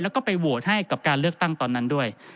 แล้วก็ไปโหวตให้กับการเลือกตั้งตอนนั้นด้วย